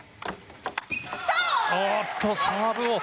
おっと、サーブを。